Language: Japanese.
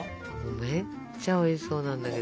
めっちゃおいしそうなんだけど。